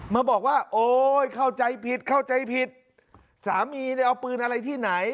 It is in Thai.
มาบอกว่าโอ๊ยเข้าใจผิดเข้าใจผิดสามีเนี่ยเอาปืนอะไรที่ไหน